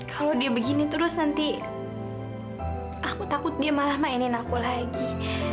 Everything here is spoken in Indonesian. kalau dia begini terus nanti aku takut dia malah mainin aku lagi